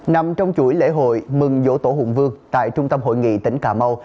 nằm trong chuỗi lễ hội mừng dỗ tổ hùng vương tại trung tâm hội nghị tỉnh cà mau